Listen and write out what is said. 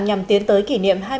nhằm tiến tới kỷ niệm hà nội tv